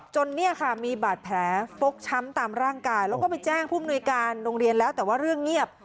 เนี่ยค่ะมีบาดแผลฟกช้ำตามร่างกายแล้วก็ไปแจ้งผู้มนุยการโรงเรียนแล้วแต่ว่าเรื่องเงียบ